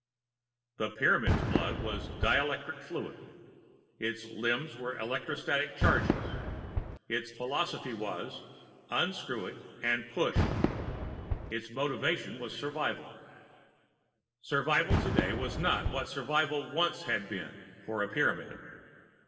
The Pyramid's blood was dielectric fluid. Its limbs were electrostatic charges. Its philosophy was: Unscrew It and Push. Its motive was survival. Survival today was not what survival once had been, for a Pyramid.